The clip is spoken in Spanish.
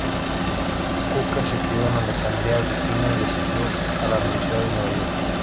Kruger se crio en Alexandria, Virginia, y asistió a la Universidad de Nueva York.